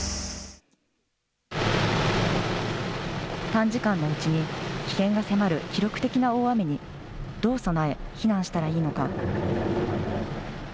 短時間のうちに、危険が迫る記録的な大雨に、どう備え、避難したらいいのか。